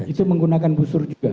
itu menggunakan busur juga